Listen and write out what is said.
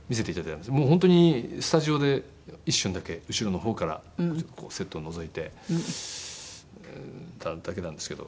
もう本当にスタジオで一瞬だけ後ろの方からセットをのぞいていただけなんですけど。